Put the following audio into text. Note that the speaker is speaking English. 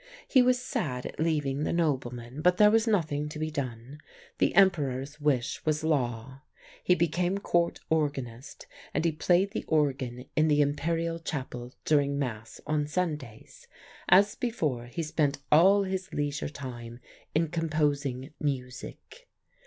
"He was sad at leaving the nobleman, but there was nothing to be done. The Emperor's wish was law. He became Court organist and he played the organ in the Imperial chapel during Mass on Sundays. As before, he spent all his leisure time in composing music.